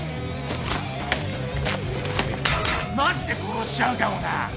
マジで殺しちゃうかもな。